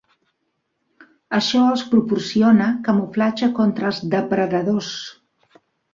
Això els proporciona camuflatge contra els depredadors.